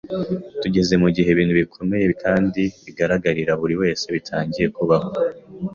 Tugeze mu gihe ibintu bikomeye kandi bigaragarira buri wese bitangiye kubaho.